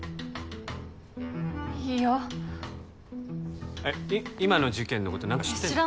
いやえっ今の事件のこと何か知ってんの？